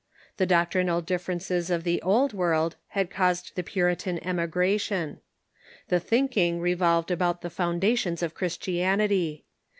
The doctrinal differences of the Old World had The Early caused the Puritan emigration. The thinking re Theoiogicai volved about the foundations of Christianity.